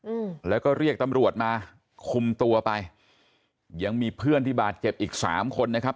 อืมแล้วก็เรียกตำรวจมาคุมตัวไปยังมีเพื่อนที่บาดเจ็บอีกสามคนนะครับ